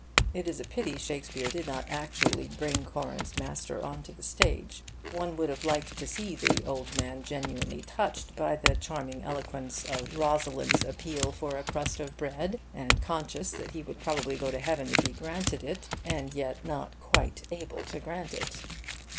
It is a pity Shakespeare did not actually bring Corin's master on to the stage. One would have liked to see the old man genuinely touched by the charming eloquence of Rosalind's appeal for a crust of bread, and conscious that he would probably go to heaven if he granted it, and yet not quite able to grant it.